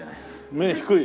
目低い？